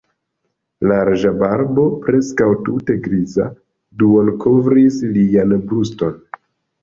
Larĝa barbo, preskaŭ tute griza, duonkovris lian bruston.